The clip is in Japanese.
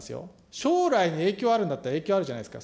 将来に影響あるんだったら、影響あるじゃないですか。